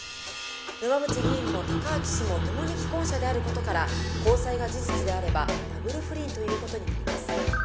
沼淵議員も隆明氏も共に既婚者であることから交際が事実であればダブル不倫ということになります